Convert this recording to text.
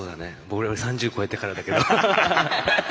俺は３０超えてからだけど。